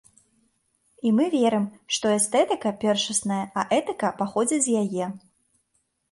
І мы верым, што эстэтыка першасная, а этыка паходзіць з яе.